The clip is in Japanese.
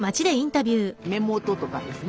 目元とかですね